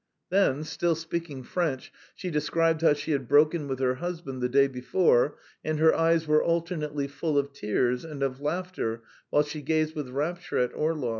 Then, still speaking French, she described how she had broken with her husband the day before and her eyes were alternately full of tears and of laughter while she gazed with rapture at Orlov.